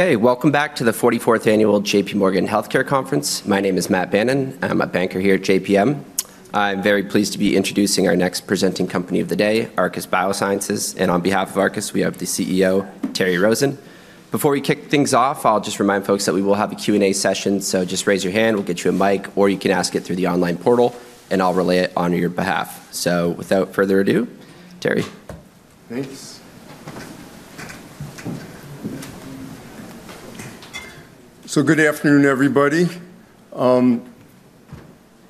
Okay, welcome back to the 44th Annual JPMorgan Healthcare Conference. My name is Matt Bannon. I'm a banker here at JPM. I'm very pleased to be introducing our next presenting company of the day, Arcus Biosciences. And on behalf of Arcus, we have the CEO, Terry Rosen. Before we kick things off, I'll just remind folks that we will have a Q&A session. So just raise your hand, we'll get you a mic, or you can ask it through the online portal, and I'll relay it on your behalf. So without further ado, Terry. Thanks. So good afternoon, everybody.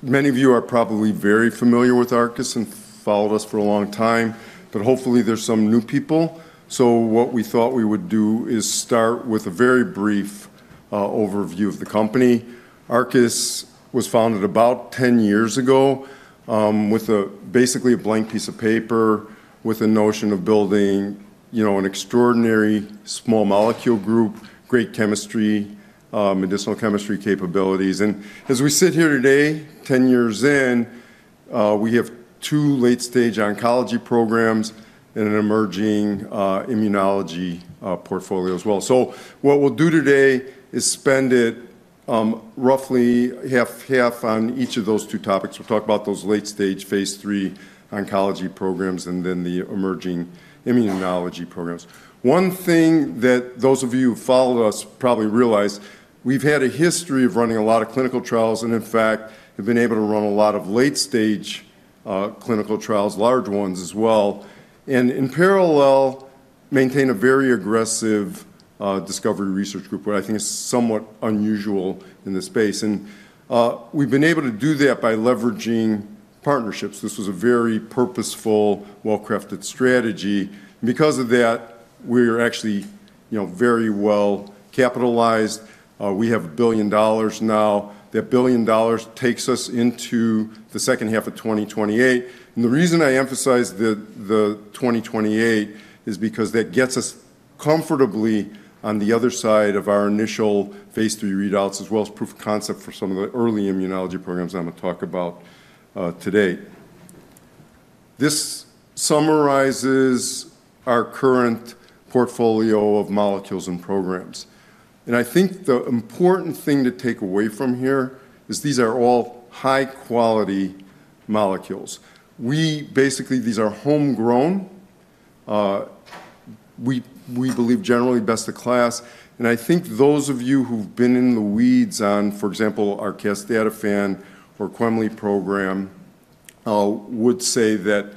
Many of you are probably very familiar with Arcus and followed us for a long time, but hopefully there's some new people. So what we thought we would do is start with a very brief overview of the company. Arcus was founded about 10 years ago with basically a blank piece of paper, with a notion of building an extraordinary small molecule group, great chemistry, medicinal chemistry capabilities. And as we sit here today, 10 years in, we have two late-stage oncology programs and an emerging immunology portfolio as well. So what we'll do today is spend it roughly half on each of those two topics. We'll talk about those late-stage Phase III oncology programs and then the emerging immunology programs. One thing that those of you who followed us probably realize, we've had a history of running a lot of clinical trials and, in fact, have been able to run a lot of late-stage clinical trials, large ones as well, and in parallel maintain a very aggressive discovery research group, which I think is somewhat unusual in this space. And we've been able to do that by leveraging partnerships. This was a very purposeful, well-crafted strategy. Because of that, we are actually very well capitalized. We have $1 billion now. That $1 billion takes us into the second half of 2028. And the reason I emphasize the 2028 is because that gets us comfortably on the other side of our initial Phase III readouts, as well as proof of concept for some of the early immunology programs I'm going to talk about today. This summarizes our current portfolio of molecules and programs. And I think the important thing to take away from here is these are all high-quality molecules. Basically, these are homegrown. We believe generally best of class. And I think those of you who've been in the weeds on, for example, our casdatifan or quemliclustat program would say that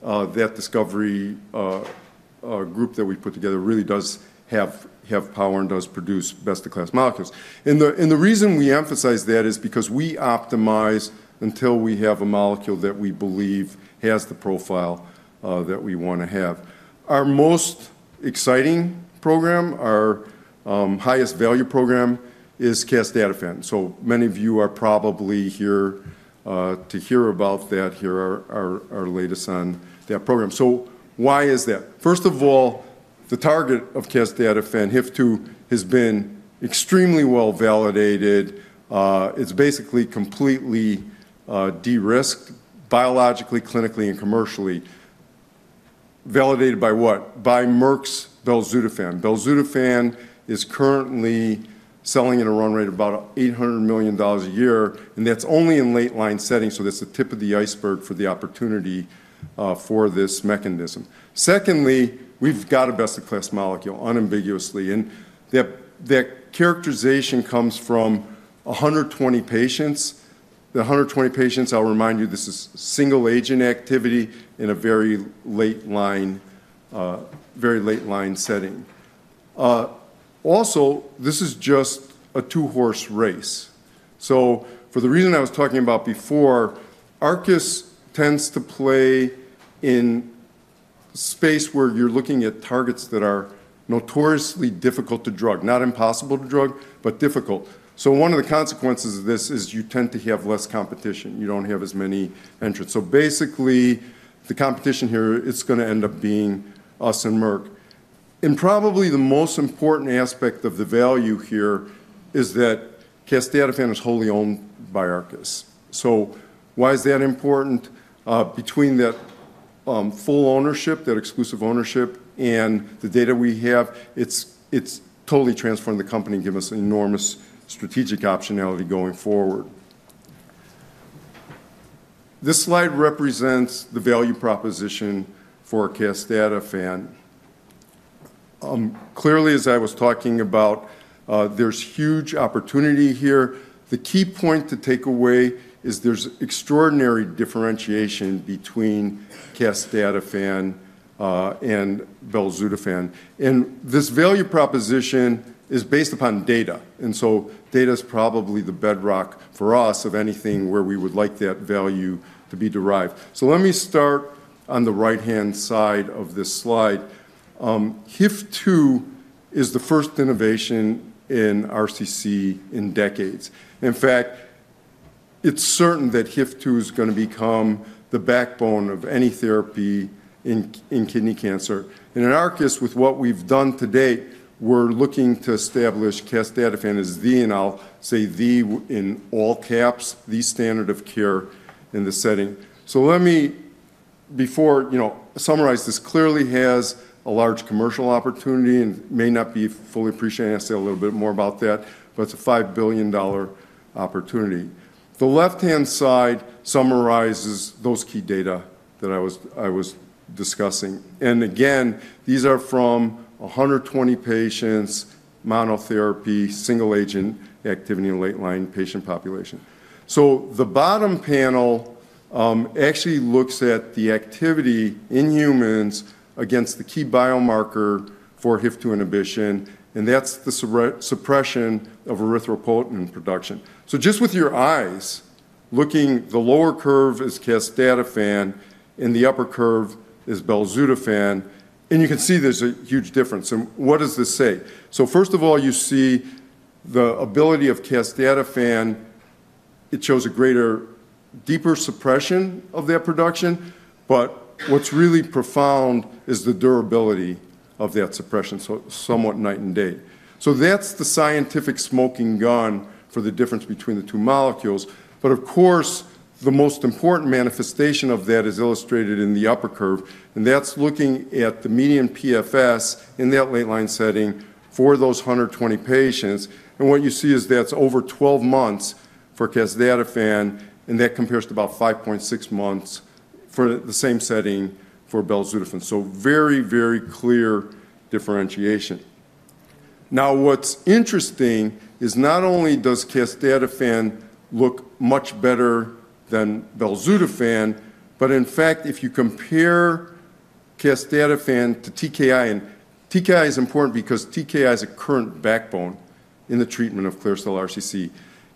that discovery group that we put together really does have power and does produce best of class molecules. And the reason we emphasize that is because we optimize until we have a molecule that we believe has the profile that we want to have. Our most exciting program, our highest value program, is casdatifan. So many of you are probably here to hear about that, hear our latest on that program. So why is that? First of all, the target of casdatifan, HIF-2α, has been extremely well validated. It's basically completely de-risked biologically, clinically, and commercially. Validated by what? By Merck's belzutifan. belzutifan is currently selling at a run rate of about $800 million a year, and that's only in late-line settings, so that's the tip of the iceberg for the opportunity for this mechanism. Secondly, we've got a best-of-class molecule, unambiguously, and that characterization comes from 120 patients. The 120 patients, I'll remind you, this is single-agent activity in a very late-line setting. Also, this is just a two-horse race, so for the reason I was talking about before, Arcus tends to play in a space where you're looking at targets that are notoriously difficult to drug. Not impossible to drug, but difficult, so one of the consequences of this is you tend to have less competition. You don't have as many entrants. Basically, the competition here, it's going to end up being us and Merck. And probably the most important aspect of the value here is that casdatifan is wholly owned by Arcus. Why is that important? Between that full ownership, that exclusive ownership, and the data we have, it's totally transformed the company and given us enormous strategic optionality going forward. This slide represents the value proposition for casdatifan. Clearly, as I was talking about, there's huge opportunity here. The key point to take away is there's extraordinary differentiation between casdatifan and belzutifan. And this value proposition is based upon data. Data is probably the bedrock for us of anything where we would like that value to be derived. Let me start on the right-hand side of this slide. HIF-2α is the first innovation in RCC in decades. In fact, it's certain that HIF-2 is going to become the backbone of any therapy in kidney cancer. And at Arcus, with what we've done to date, we're looking to establish casdatifan as the, and I'll say the in all caps, the standard of care in this setting. So let me, before I summarize this, clearly has a large commercial opportunity and may not be fully appreciated. I'll say a little bit more about that. But it's a $5 billion opportunity. The left-hand side summarizes those key data that I was discussing. And again, these are from 120 patients, monotherapy, single-agent activity in late-line patient population. So the bottom panel actually looks at the activity in humans against the key biomarker for HIF-2 inhibition, and that's the suppression of erythropoietin production. So just with your eyes, looking, the lower curve is casdatifan and the upper curve is belzutifan. And you can see there's a huge difference. And what does this say? So first of all, you see the ability of casdatifan, it shows a greater, deeper suppression of that production. But what's really profound is the durability of that suppression. So it's somewhat night and day. So that's the scientific smoking gun for the difference between the two molecules. But of course, the most important manifestation of that is illustrated in the upper curve. And that's looking at the median PFS in that late-line setting for those 120 patients. And what you see is that's over 12 months for casdatifan, and that compares to about 5.6 months for the same setting for belzutifan. So very, very clear differentiation. Now, what's interesting is not only does casdatifan look much better than belzutifan, but in fact, if you compare casdatifan to TKI, and TKI is important because TKI is a current backbone in the treatment of clear cell RCC.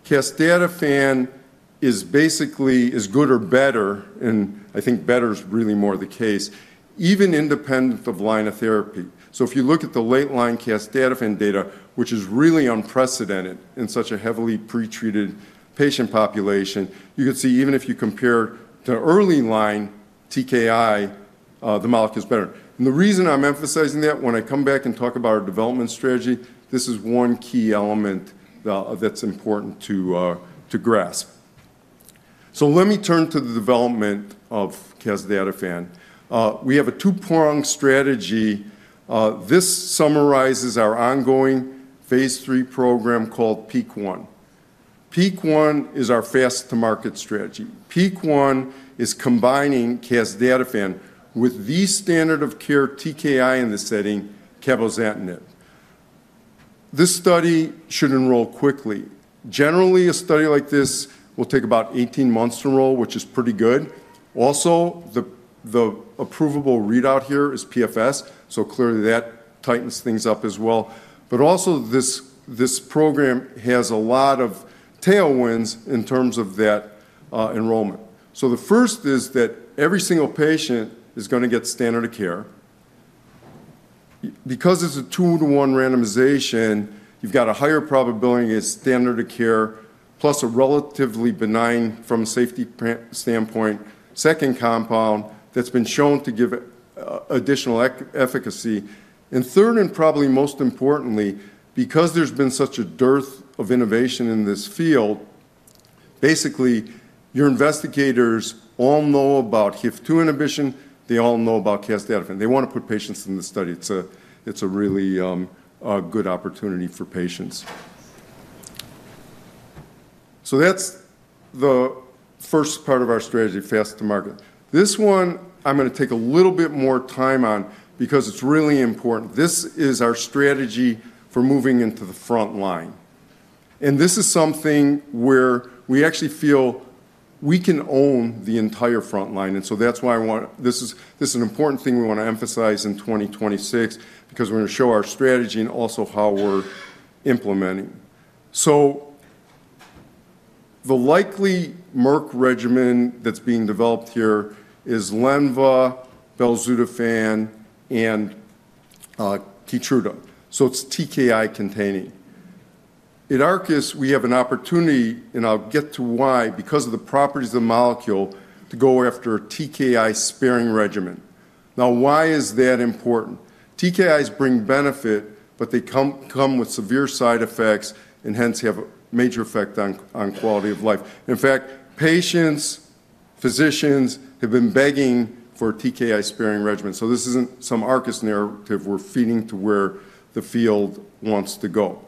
Casdatifan is basically as good or better, and I think better is really more the case, even independent of line of therapy. So if you look at the late-line casdatifan data, which is really unprecedented in such a heavily pretreated patient population, you can see even if you compare to early-line TKI, the molecule is better. And the reason I'm emphasizing that, when I come back and talk about our development strategy, this is one key element that's important to grasp. So let me turn to the development of casdatifan. We have a two-pronged strategy. This summarizes our ongoing Phase III program called PEAK-1. PEAK-1 is our fast-to-market strategy. PEAK-1 is combining casdatifan with the standard of care TKI in this setting, cabozantinib. This study should enroll quickly. Generally, a study like this will take about 18 months to enroll, which is pretty good. Also, the approvable readout here is PFS, so clearly that tightens things up as well. But also, this program has a lot of tailwinds in terms of that enrollment. So the first is that every single patient is going to get standard of care. Because it's a 2:1 randomization, you've got a higher probability of standard of care plus a relatively benign, from a safety standpoint, second compound that's been shown to give additional efficacy. And third, and probably most importantly, because there's been such a dearth of innovation in this field, basically, your investigators all know about HIF-2 inhibition, they all know about casdatifan. They want to put patients in this study. It's a really good opportunity for patients. So that's the first part of our strategy, fast-to-market. This one, I'm going to take a little bit more time on because it's really important. This is our strategy for moving into the front line. And this is something where we actually feel we can own the entire front line. And so that's why I want. This is an important thing we want to emphasize in 2026 because we're going to show our strategy and also how we're implementing. So the likely Merck regimen that's being developed here is Lenva, belzutifan, and Keytruda. So it's TKI-containing. At Arcus, we have an opportunity, and I'll get to why, because of the properties of the molecule, to go after a TKI-sparing regimen. Now, why is that important? TKIs bring benefit, but they come with severe side effects and hence have a major effect on quality of life. In fact, patients, physicians have been begging for a TKI-sparing regimen. So this isn't some Arcus narrative we're feeding to where the field wants to go.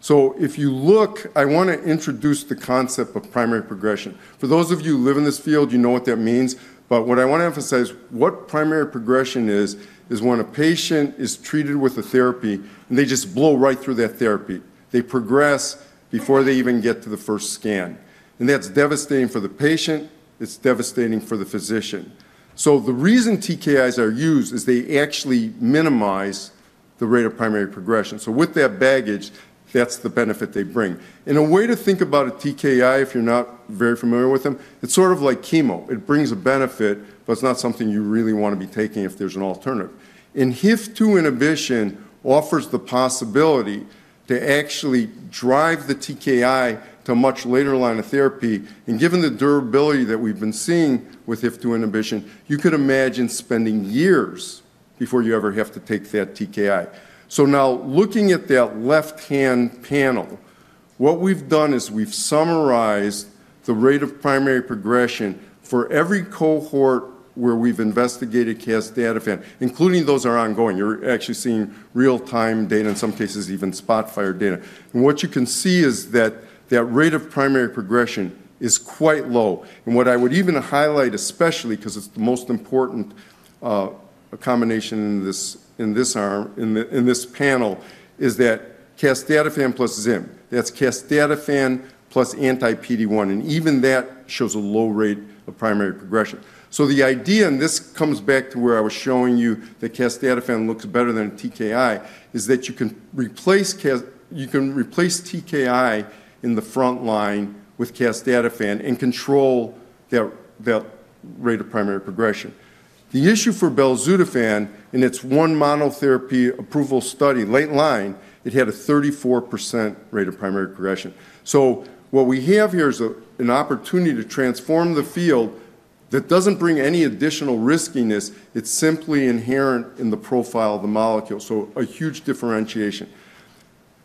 So if you look, I want to introduce the concept of primary progression. For those of you who live in this field, you know what that means. But what I want to emphasize is what primary progression is, is when a patient is treated with a therapy and they just blow right through that therapy. They progress before they even get to the first scan. And that's devastating for the patient. It's devastating for the physician. So the reason TKIs are used is they actually minimize the rate of primary progression. So with that baggage, that's the benefit they bring. A way to think about a TKI, if you're not very familiar with them, it's sort of like chemo. It brings a benefit, but it's not something you really want to be taking if there's an alternative. HIF-2 inhibition offers the possibility to actually drive the TKI to a much later line of therapy. Given the durability that we've been seeing with HIF-2 inhibition, you could imagine spending years before you ever have to take that TKI. Now, looking at that left-hand panel, what we've done is we've summarized the rate of primary progression for every cohort where we've investigated casdatifan, including those that are ongoing. You're actually seeing real-time data and in some cases even spotty data. What you can see is that that rate of primary progression is quite low. And what I would even highlight, especially because it's the most important combination in this panel, is that casdatifan plus Zim. That's casdatifan plus anti-PD-1. And even that shows a low rate of primary progression. So the idea, and this comes back to where I was showing you that casdatifan looks better than TKI, is that you can replace TKI in the front line with casdatifan and control that rate of primary progression. The issue for belzutifan in its one monotherapy approval study, late line, it had a 34% rate of primary progression. So what we have here is an opportunity to transform the field that doesn't bring any additional riskiness. It's simply inherent in the profile of the molecule. So a huge differentiation.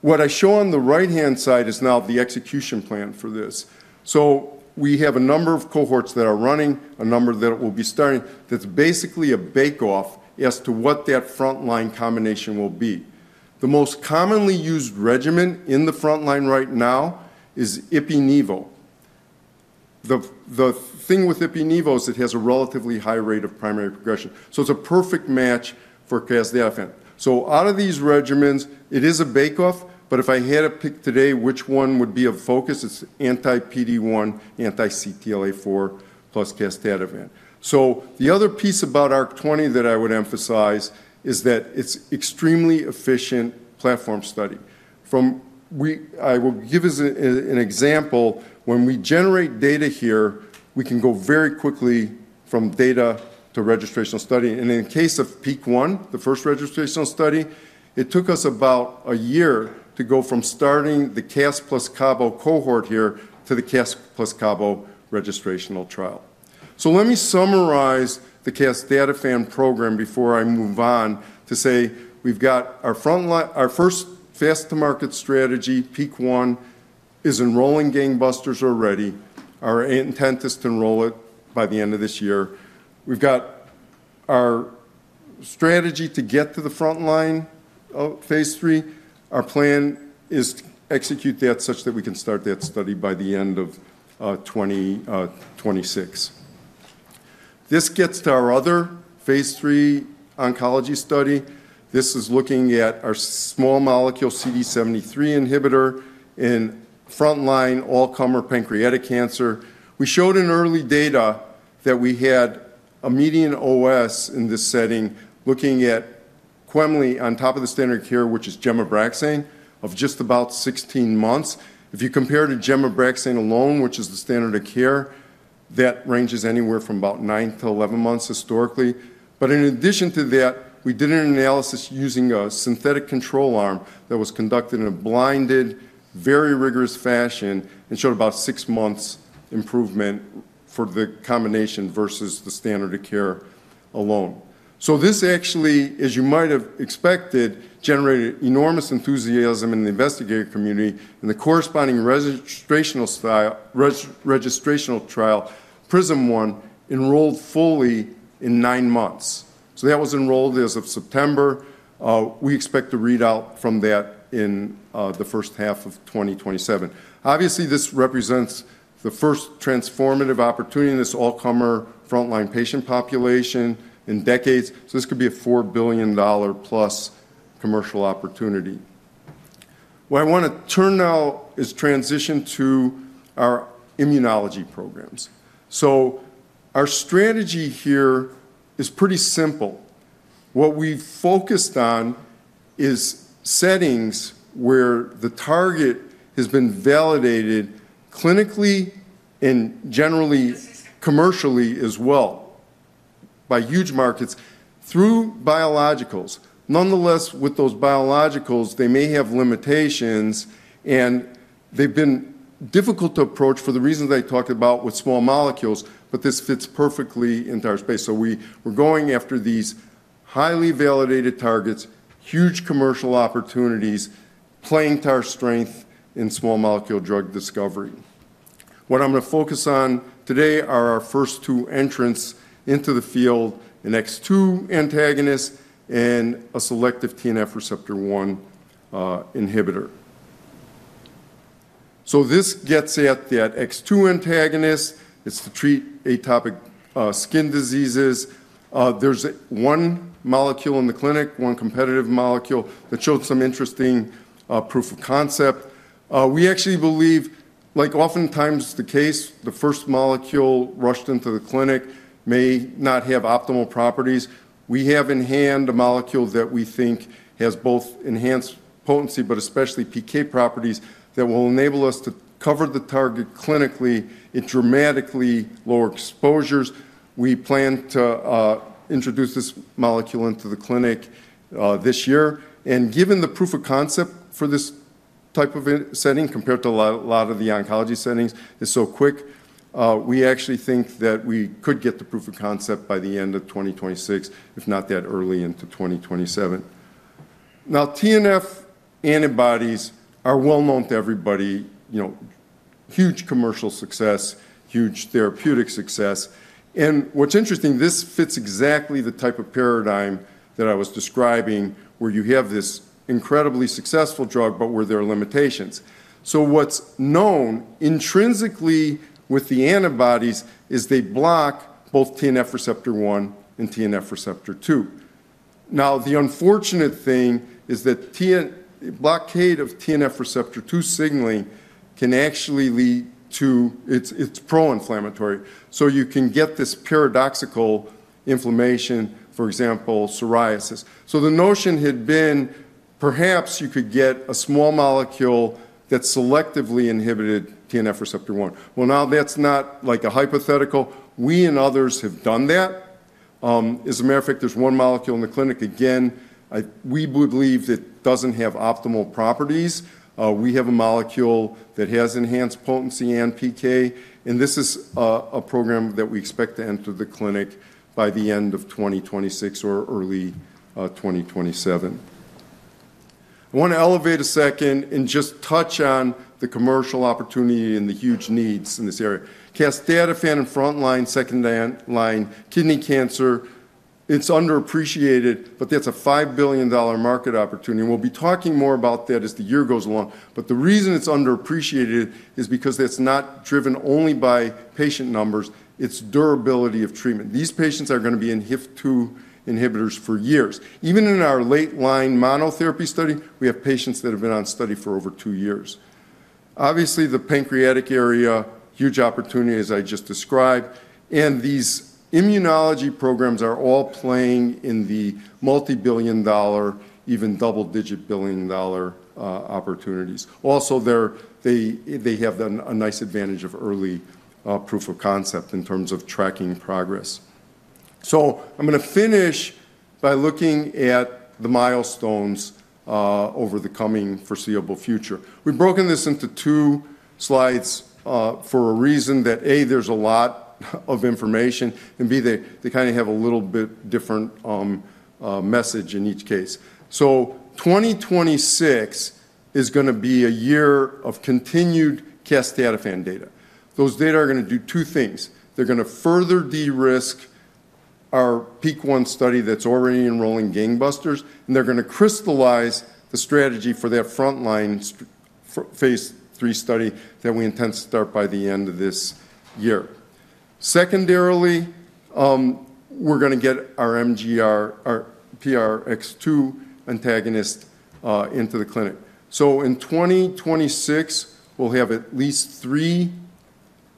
What I show on the right-hand side is now the execution plan for this. So we have a number of cohorts that are running, a number that will be starting. That's basically a bake-off as to what that front line combination will be. The most commonly used regimen in the front line right now is Ipi/Nivo. The thing with Ipi/Nivo is it has a relatively high rate of primary progression. So it's a perfect match for casdatifan. So out of these regimens, it is a bake-off, but if I had to pick today which one would be of focus, it's anti-PD-1, anti-CTLA-4 plus casdatifan. So the other piece about ARC-20 that I would emphasize is that it's extremely efficient platform study. I will give you an example. When we generate data here, we can go very quickly from data to registrational study. In the case of PEAK-1, the first registrational study, it took us about a year to go from starting the casdatifan plus cabo cohort here to the casdatifan plus cabo registrational trial. So let me summarize the casdatifan program before I move on to say we've got our first fast-to-market strategy, PEAK-1, is enrolling gangbusters already. Our intent is to enroll it by the end of this year. We've got our strategy to get to the front line of Phase III. Our plan is to execute that such that we can start that study by the end of 2026. This gets to our other Phase III oncology study. This is looking at our small molecule CD73 inhibitor in front line all-comer pancreatic cancer. We showed in early data that we had a median OS in this setting looking at quemliclustat on top of the standard of care, which is gem-Abraxane, of just about 16 months. If you compare to gem-Abraxane alone, which is the standard of care, that ranges anywhere from about nine to 11 months historically. But in addition to that, we did an analysis using a synthetic control arm that was conducted in a blinded, very rigorous fashion and showed about six months improvement for the combination versus the standard of care alone. So this actually, as you might have expected, generated enormous enthusiasm in the investigator community. And the corresponding registrational trial, PRISM-1, enrolled fully in nine months. So that was enrolled as of September. We expect the readout from that in the first half of 2027. Obviously, this represents the first transformative opportunity in this all-comer front line patient population in decades. So this could be a $4 billion+ commercial opportunity. What I want to turn now is transition to our immunology programs. So our strategy here is pretty simple. What we've focused on is settings where the target has been validated clinically and generally commercially as well by huge markets through biologicals. Nonetheless, with those biologicals, they may have limitations and they've been difficult to approach for the reasons I talked about with small molecules, but this fits perfectly into our space. So we're going after these highly validated targets, huge commercial opportunities, playing to our strength in small molecule drug discovery. What I'm going to focus on today are our first two entrants into the field, an MRGPRX2 antagonist and a selective TNF receptor 1 inhibitor. So this gets at that MRGPRX2 antagonist. It's to treat atopic skin diseases. There's one molecule in the clinic, one competitive molecule that showed some interesting proof of concept. We actually believe, like oftentimes the case, the first molecule rushed into the clinic may not have optimal properties. We have in hand a molecule that we think has both enhanced potency, but especially PK properties that will enable us to cover the target clinically at dramatically lower exposures. We plan to introduce this molecule into the clinic this year. And given the proof of concept for this type of setting compared to a lot of the oncology settings, it's so quick, we actually think that we could get the proof of concept by the end of 2026, if not that early into 2027. Now, TNF antibodies are well known to everybody, huge commercial success, huge therapeutic success. What's interesting, this fits exactly the type of paradigm that I was describing where you have this incredibly successful drug, but where there are limitations. So what's known intrinsically with the antibodies is they block both TNF Receptor 1 and TNF Receptor 2. Now, the unfortunate thing is that blockade of TNF Receptor 2 signaling can actually lead to its pro-inflammatory. So you can get this paradoxical inflammation, for example, psoriasis. So the notion had been perhaps you could get a small molecule that selectively inhibited TNF Receptor 1. Now that's not like a hypothetical. We and others have done that. As a matter of fact, there's one molecule in the clinic. Again, we believe that it doesn't have optimal properties. We have a molecule that has enhanced potency and PK. This is a program that we expect to enter the clinic by the end of 2026 or early 2027. I want to elaborate a second and just touch on the commercial opportunity and the huge needs in this area. casdatifan in front line, second line, kidney cancer. It's underappreciated, but that's a $5 billion market opportunity. We'll be talking more about that as the year goes along. The reason it's underappreciated is because it's not driven only by patient numbers. It's durability of treatment. These patients are going to be in HIF-2 inhibitors for years. Even in our late line monotherapy study, we have patients that have been on study for over two years. Obviously, the pancreatic area, huge opportunity as I just described. These immunology programs are all playing in the multi-billion-dollar, even double-digit billion-dollar opportunities. Also, they have a nice advantage of early proof of concept in terms of tracking progress. So I'm going to finish by looking at the milestones over the coming foreseeable future. We've broken this into two slides for a reason that, A, there's a lot of information, and B, they kind of have a little bit different message in each case. So 2026 is going to be a year of continued casdatifan data. Those data are going to do two things. They're going to further de-risk our PEAK-1 study that's already enrolling gangbusters, and they're going to crystallize the strategy for that front line Phase III study that we intend to start by the end of this year. Secondarily, we're going to get our MRG, our PRX2 antagonist into the clinic. So in 2026, we'll have at least three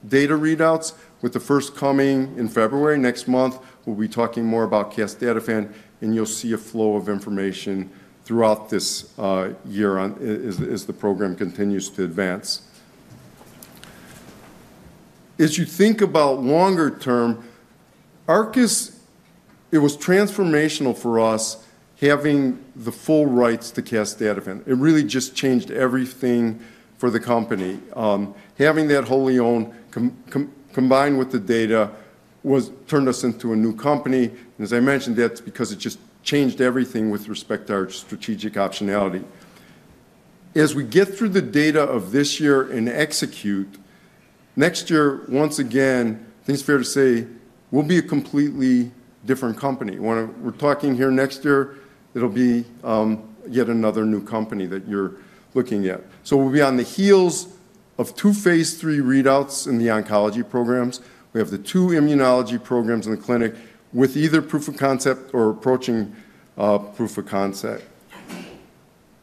data readouts, with the first coming in February. Next month, we'll be talking more about casdatifan, and you'll see a flow of information throughout this year as the program continues to advance. As you think about longer term, Arcus, it was transformational for us having the full rights to casdatifan. It really just changed everything for the company. Having that wholly owned combined with the data turned us into a new company, and as I mentioned, that's because it just changed everything with respect to our strategic optionality. As we get through the data of this year and execute, next year, once again, I think it's fair to say we'll be a completely different company. We're talking here next year, it'll be yet another new company that you're looking at, so we'll be on the heels of two Phase III readouts in the oncology programs. We have the two immunology programs in the clinic with either proof of concept or approaching proof of concept.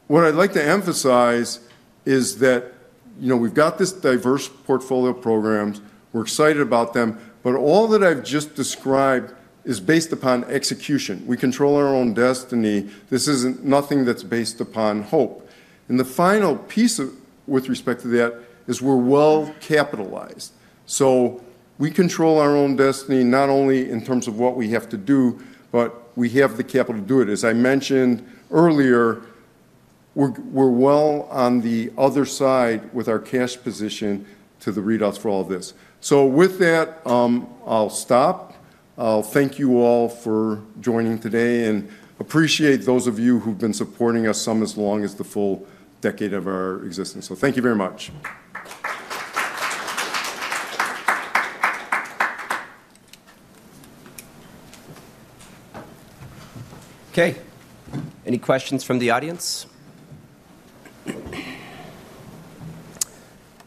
What I'd like to emphasize is that we've got this diverse portfolio programs. We're excited about them, but all that I've just described is based upon execution. We control our own destiny. This is nothing that's based upon hope, and the final piece with respect to that is we're well capitalized, so we control our own destiny not only in terms of what we have to do, but we have the capital to do it. As I mentioned earlier, we're well on the other side with our cash position to the readouts for all of this, so with that, I'll stop. I'll thank you all for joining today and appreciate those of you who've been supporting us some as long as the full decade of our existence. So, thank you very much. Okay. Any questions from the audience?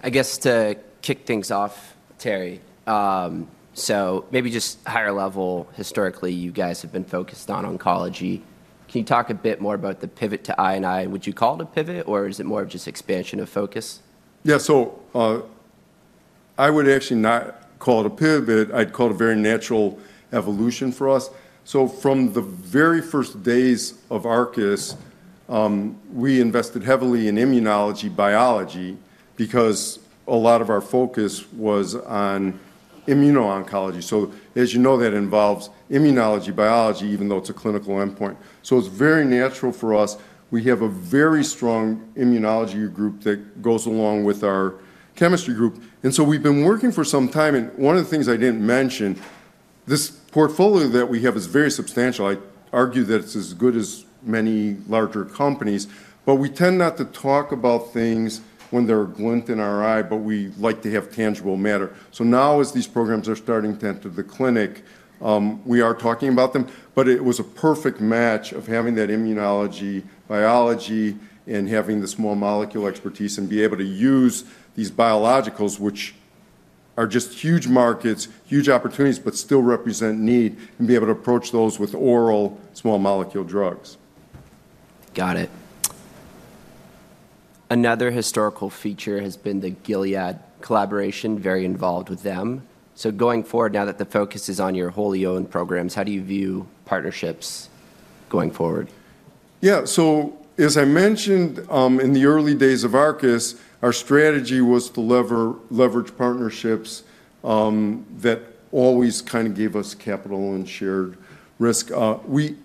I guess to kick things off, Terry, so maybe just higher level, historically, you guys have been focused on oncology. Can you talk a bit more about the pivot to INI? Would you call it a pivot, or is it more of just expansion of focus? Yeah, so I would actually not call it a pivot. I'd call it a very natural evolution for us. So from the very first days of Arcus, we invested heavily in immunology biology because a lot of our focus was on immuno-oncology. So as you know, that involves immunology biology, even though it's a clinical endpoint. So it's very natural for us. We have a very strong immunology group that goes along with our chemistry group. And so we've been working for some time. And one of the things I didn't mention, this portfolio that we have is very substantial. I argue that it's as good as many larger companies, but we tend not to talk about things when they're a glint in our eye, but we like to have tangible matter. So now, as these programs are starting to enter the clinic, we are talking about them, but it was a perfect match of having that immunology biology and having the small molecule expertise and be able to use these biologicals, which are just huge markets, huge opportunities, but still represent need and be able to approach those with oral small molecule drugs. Got it. Another historical feature has been the Gilead collaboration, very involved with them. So going forward, now that the focus is on your wholly owned programs, how do you view partnerships going forward? Yeah, so as I mentioned, in the early days of Arcus, our strategy was to leverage partnerships that always kind of gave us capital and shared risk.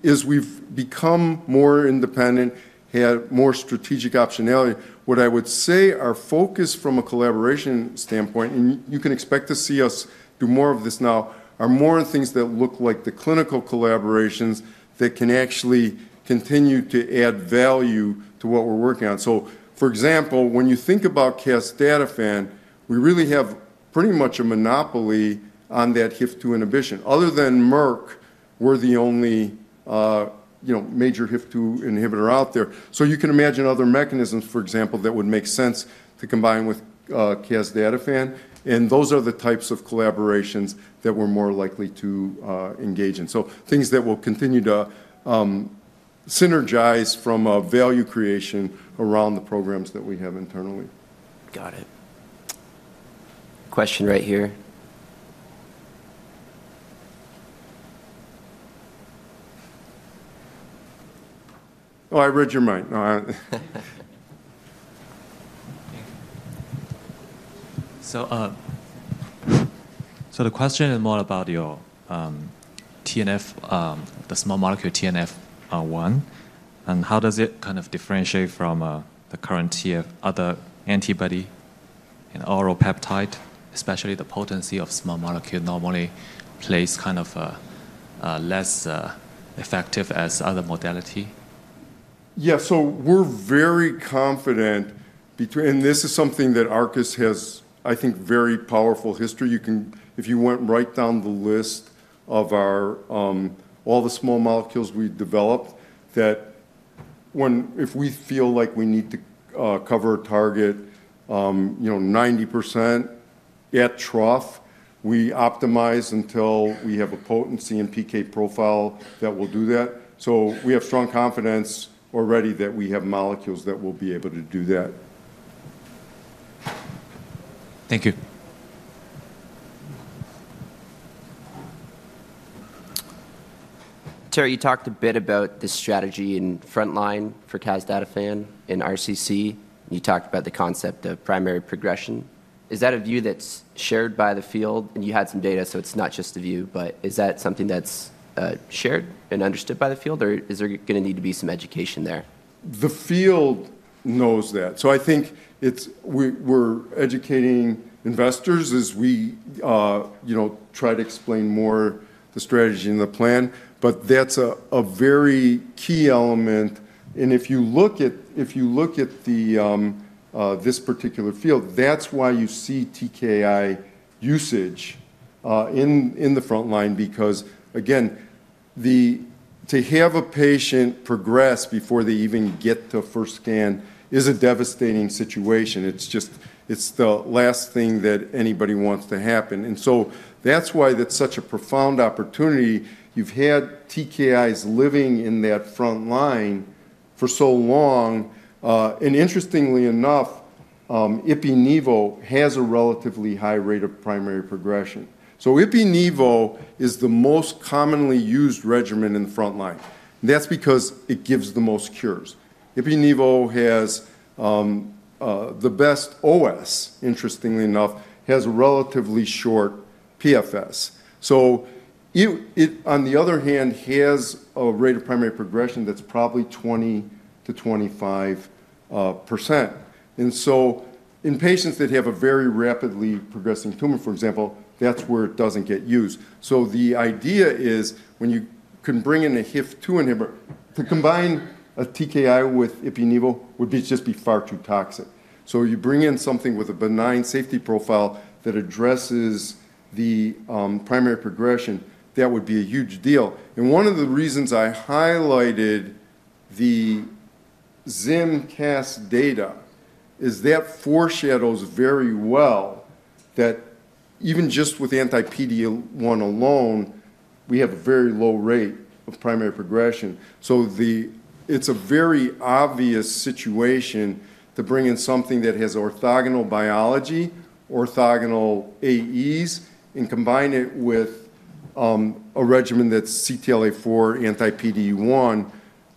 As we've become more independent, had more strategic optionality, what I would say our focus from a collaboration standpoint, and you can expect to see us do more of this now, are more things that look like the clinical collaborations that can actually continue to add value to what we're working on. So for example, when you think about casdatifan, we really have pretty much a monopoly on that HIF-2 inhibition. Other than Merck, we're the only major HIF-2 inhibitor out there. So you can imagine other mechanisms, for example, that would make sense to combine with casdatifan. And those are the types of collaborations that we're more likely to engage in. Things that will continue to synergize from a value creation around the programs that we have internally. Got it. Question right here. Oh, I read your mind. The question is more about your TNF, the small molecule TNFR1. How does it kind of differentiate from the current TNF of other antibody and oral peptide, especially the potency of small molecule normally plays kind of less effective as other modality? Yeah, so we're very confident, and this is something that Arcus has, I think, very powerful history. If you went right down the list of all the small molecules we developed, that if we feel like we need to cover a target 90% at trough, we optimize until we have a potency and PK profile that will do that. So we have strong confidence already that we have molecules that will be able to do that. Thank you. Terry, you talked a bit about the strategy in front line for casdatifan in RCC. You talked about the concept of primary progression. Is that a view that's shared by the field? And you had some data, so it's not just a view, but is that something that's shared and understood by the field, or is there going to need to be some education there? The field knows that, so I think we're educating investors as we try to explain more the strategy and the plan, but that's a very key element, and if you look at this particular field, that's why you see TKI usage in the front line, because, again, to have a patient progress before they even get to first scan is a devastating situation. It's the last thing that anybody wants to happen, and so that's why that's such a profound opportunity. You've had TKIs living in that front line for so long, and interestingly enough, Ipi/Nivo has a relatively high rate of primary progression, so Ipi/Nivo is the most commonly used regimen in the front line. That's because it gives the most cures. Ipi/Nivo has the best OS, interestingly enough, has a relatively short PFS. So it, on the other hand, has a rate of primary progression that's probably 20%-25%. And so in patients that have a very rapidly progressing tumor, for example, that's where it doesn't get used. The idea is when you can bring in a HIF-2 inhibitor. To combine a TKI with Ipi/Nivo would just be far too toxic. So you bring in something with a benign safety profile that addresses the primary progression. That would be a huge deal. And one of the reasons I highlighted the Zim casdatifan data is that foreshadows very well that even just with anti-PD-1 alone, we have a very low rate of primary progression. So it's a very obvious situation to bring in something that has orthogonal biology, orthogonal AEs, and combine it with a regimen that's CTLA-4 anti-PD-1.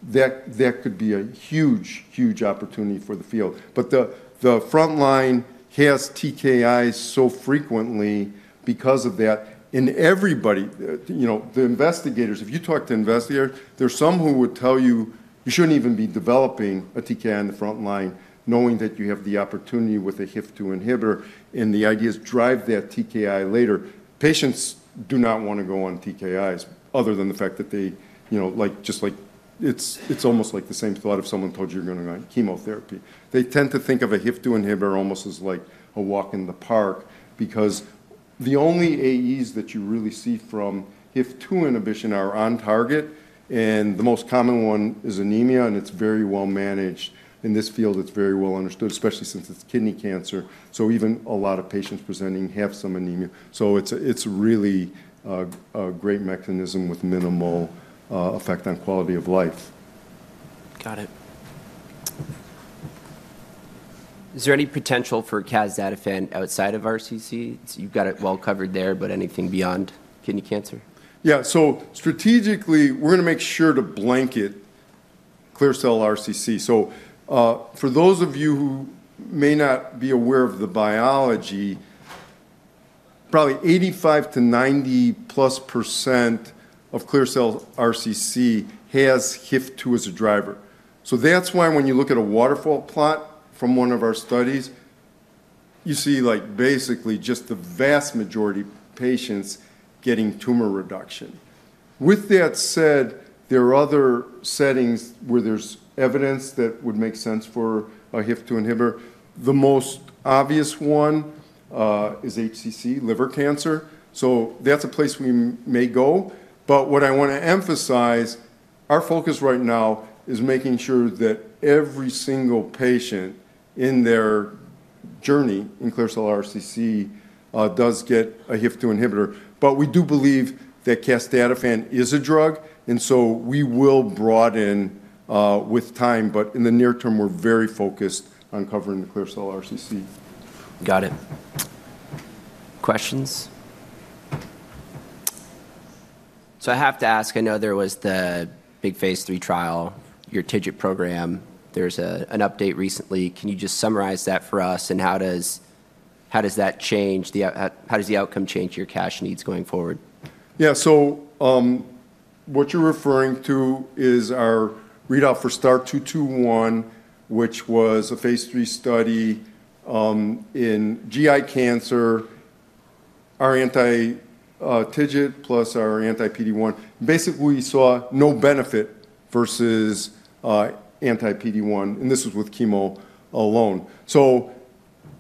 That could be a huge, huge opportunity for the field. But the front line has TKIs so frequently because of that. And everybody, the investigators, if you talk to investigators, there's some who would tell you you shouldn't even be developing a TKI in the front line knowing that you have the opportunity with a HIF-2 inhibitor, and the idea is drive that TKI later. Patients do not want to go on TKIs other than the fact that they just like it's almost like the same thought if someone told you you're going to go on chemotherapy. They tend to think of a HIF-2 inhibitor almost as like a walk in the park because the only AEs that you really see from HIF-2 inhibition are on target, and the most common one is anemia, and it's very well managed. In this field, it's very well understood, especially since it's kidney cancer. So even a lot of patients presenting have some anemia. So it's really a great mechanism with minimal effect on quality of life. Got it. Is there any potential for casdatifan outside of RCC? You've got it well covered there, but anything beyond kidney cancer? Yeah, so strategically, we're going to make sure to blanket clear cell RCC. So for those of you who may not be aware of the biology, probably 85%-90%+ of clear cell RCC has HIF-2 as a driver. So that's why when you look at a waterfall plot from one of our studies, you see basically just the vast majority of patients getting tumor reduction. With that said, there are other settings where there's evidence that would make sense for a HIF-2 inhibitor. The most obvious one is HCC, liver cancer. So that's a place we may go. But what I want to emphasize, our focus right now is making sure that every single patient in their journey in clear cell RCC does get a HIF-2 inhibitor. But we do believe that casdatifan is a drug, and so we will broaden with time. In the near term, we're very focused on covering the Clear Cell RCC. Got it. Questions? So I have to ask, I know there was the big Phase III trial, your TIGIT program. There's an update recently. Can you just summarize that for us, and how does that change? How does the outcome change your cash needs going forward? Yeah, so what you're referring to is our readout for STAR-221, which was a Phase III study in GI cancer. Our anti-TIGIT plus our anti-PD-1 basically saw no benefit versus anti-PD-1, and this was with chemo alone. So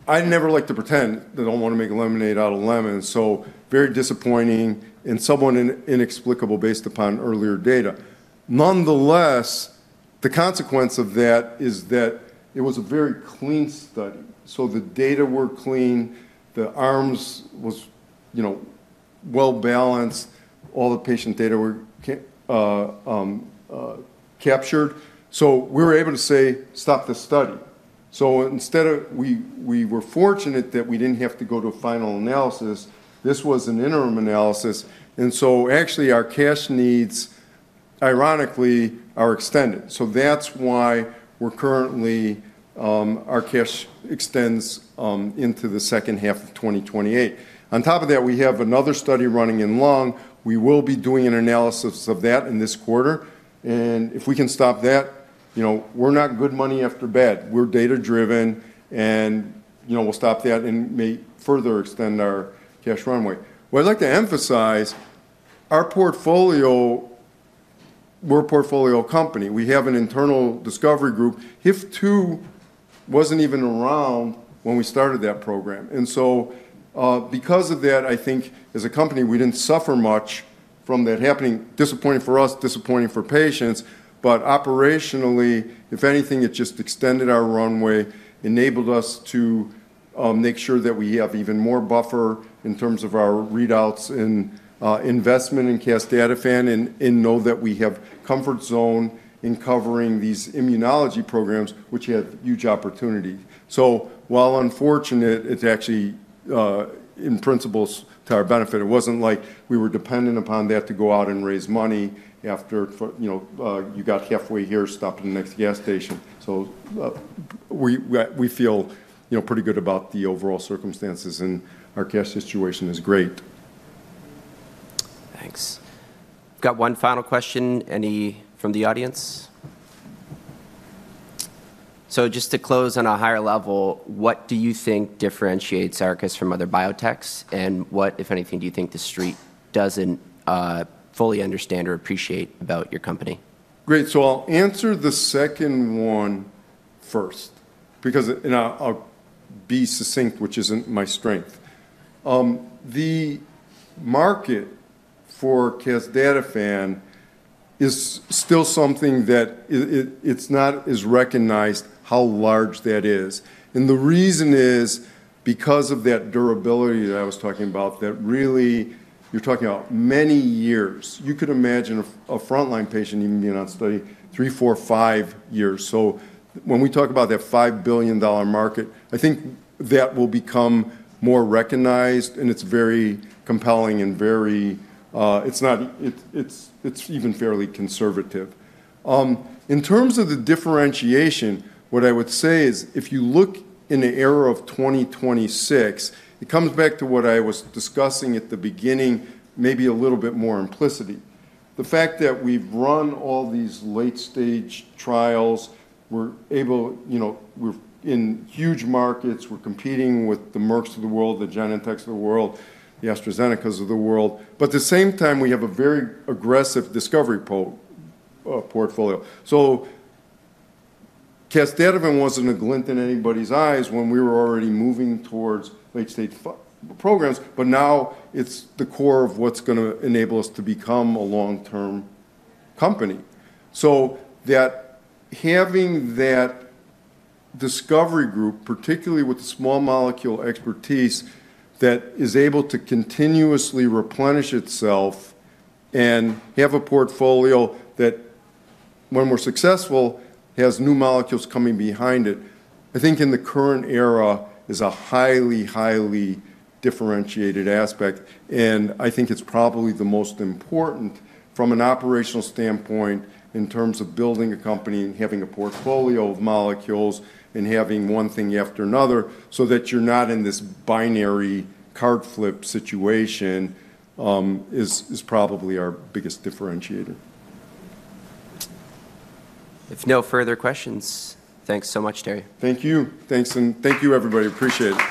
I never like to pretend that I don't want to make a lemonade out of lemons, so very disappointing and somewhat inexplicable based upon earlier data. Nonetheless, the consequence of that is that it was a very clean study. So the data were clean, the arms was well balanced, all the patient data were captured. So we were able to say, stop the study. So, instead, we were fortunate that we didn't have to go to a final analysis, this was an interim analysis. And so actually our cash needs, ironically, are extended. So that's why we're currently, our cash extends into the second half of 2028. On top of that, we have another study running in lung. We will be doing an analysis of that in this quarter. And if we can stop that, we're not throwing good money after bad. We're data-driven, and we'll stop that and may further extend our cash runway. What I'd like to emphasize, our portfolio, we're a portfolio company. We have an internal discovery group. HIF-2 wasn't even around when we started that program. And so because of that, I think as a company, we didn't suffer much from that happening. Disappointing for us, disappointing for patients, but operationally, if anything, it just extended our runway, enabled us to make sure that we have even more buffer in terms of our readouts and investment in casdatifan and know that we have comfort zone in covering these immunology programs, which have huge opportunity. So while unfortunate, it's actually in principle to our benefit. It wasn't like we were dependent upon that to go out and raise money after you got halfway here, stop at the next gas station. So we feel pretty good about the overall circumstances, and our cash situation is great. Thanks. We've got one final question. Any from the audience? So just to close on a higher level, what do you think differentiates Arcus from other biotechs, and what, if anything, do you think the street doesn't fully understand or appreciate about your company? Great. So I'll answer the second one first, because I'll be succinct, which isn't my strength. The market for casdatifan is still something that it's not as recognized how large that is. And the reason is because of that durability that I was talking about, that really you're talking about many years. You could imagine a front line patient even being on study three, four, five years. So when we talk about that $5 billion market, I think that will become more recognized, and it's very compelling and very it's even fairly conservative. In terms of the differentiation, what I would say is if you look in the era of 2026, it comes back to what I was discussing at the beginning, maybe a little bit more implicitly. The fact that we've run all these late stage trials, we're able in huge markets, we're competing with the Mercks of the world, the Genentechs of the world, the AstraZenecas of the world. But at the same time, we have a very aggressive discovery portfolio. So casdatifan wasn't a glint in anybody's eyes when we were already moving towards late stage programs, but now it's the core of what's going to enable us to become a long-term company. So having that discovery group, particularly with the small molecule expertise that is able to continuously replenish itself and have a portfolio that, when we're successful, has new molecules coming behind it, I think in the current era is a highly, highly differentiated aspect. I think it's probably the most important from an operational standpoint in terms of building a company and having a portfolio of molecules and having one thing after another so that you're not in this binary card flip situation. It is probably our biggest differentiator. If no further questions, thanks so much, Terry. Thank you. Thanks, and thank you, everybody. Appreciate it.